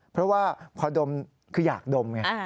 เพราะว่าพอดมคืออยากดมไง